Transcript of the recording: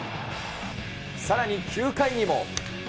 さらに９回にも。